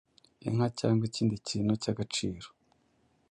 inka cyangwa ikindi kintu cy’agaciro